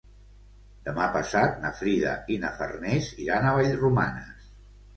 Demà passat na Frida i na Farners iran a Vallromanes.